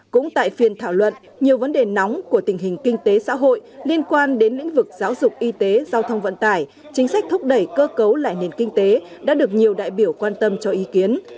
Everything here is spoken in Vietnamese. cũng tại phiên thảo luận nhiều vấn đề nóng của tình hình kinh tế xã hội liên quan đến lĩnh vực giáo dục y tế giao thông vận tải chính sách thúc đẩy cơ cấu lại nền kinh tế đã được nhiều đại biểu quan tâm cho ý kiến